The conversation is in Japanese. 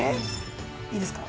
いいですか？